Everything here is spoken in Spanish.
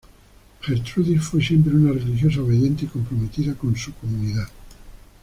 Gertrudis fue siempre una religiosa obediente y comprometida con su comunidad.